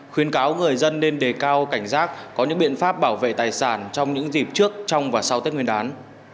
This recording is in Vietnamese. khuyến cáo người dân nên đề cao cảnh giác có những biện pháp bảo vệ tài sản trong những dịp trước trong và sau tết nguyên đán